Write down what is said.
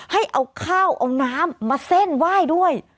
ให้เอาข้าวเอาน้ำมาเส้นไหว้ด้วย